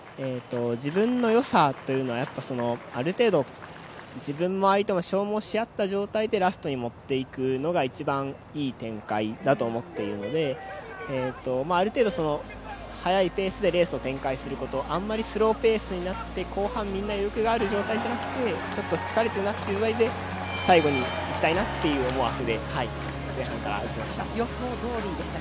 自分のよさというのは、やっぱ、ある程度、自分も相手も消耗しあった段階でラストに持っていくのが一番いい展開だと思っているのである程度、速いペースでレースを展開することあんまりスローペースになって後半みんな余力がある状態じゃなくてちょっと疲れてるなという状態で最後いきたいなという思惑で前半からいってました。